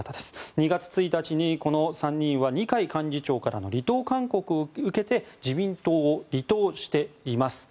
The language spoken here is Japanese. ２月１日にこの３人は二階幹事長からの離党勧告を受けて自民党を離党しています。